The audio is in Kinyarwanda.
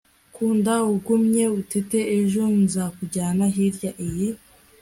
kunda ugumye utete ejo nzakujyana hirya iyi